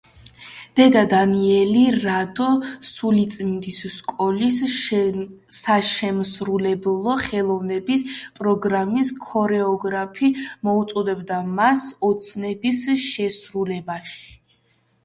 დედა დანიელი, რადო, სულიწმიდის სკოლის საშემსრულებლო ხელოვნების პროგრამის ქორეოგრაფი, მოუწოდებდა მას ოცნების შესრულებაში.